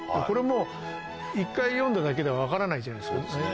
これも１回読んだだけでは分からないじゃないですか。